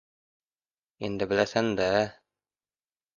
— Endi bilasan-da.